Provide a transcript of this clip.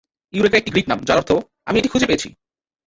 Eureka একটি Greek নাম, যার অর্থ "আমি এটি খুঁজে পেয়েছি"।